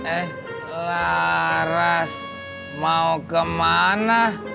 eh laras mau kemana